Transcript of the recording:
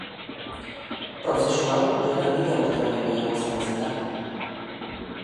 Prozesu hau duela mila urte baino gehiago ezagutzen da.